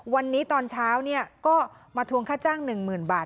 วันนี้ตอนเช้าเนี่ยก็มาทวงค่าจ้างหนึ่งหมื่นบาท